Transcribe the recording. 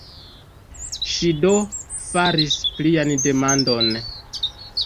Ŝi, do, faris plian demandon.